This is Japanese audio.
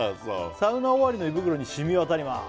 「サウナ終わりの胃袋に染み渡ります」